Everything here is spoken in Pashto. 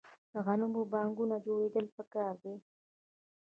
د غنمو بانکونه جوړیدل پکار دي.